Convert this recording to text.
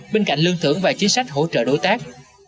bên cạnh lương thưởng và chính sách hỗ trợ đối tác